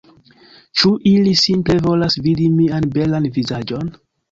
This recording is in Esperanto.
Ĉu ili simple volas vidi mian belan vizaĝon?